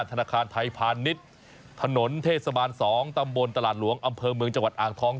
ธนาคารไทยพาณิชย์ถนนเทศบาล๒ตำบลตลาดหลวงอำเภอเมืองจังหวัดอ่างทอง